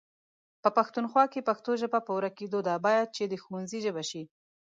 په پښتونخوا کې پښتو ژبه په ورکيدو ده، بايد چې د ښونځي ژبه شي